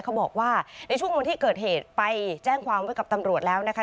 เขาบอกว่าในช่วงวันที่เกิดเหตุไปแจ้งความไว้กับตำรวจแล้วนะคะ